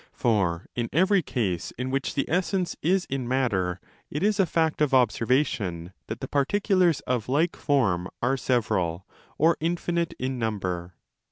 For in every case in which the essence is in matter it is a fact of observation that the particulars of like form are several or infinite in 2onumber.